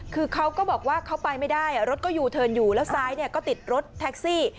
คือเขาก็บอกว่าเขาไปไม่ได้รถก็ยูเทิร์นอยู่แล้วซ้ายเนี่ยก็ติดรถแท็กซี่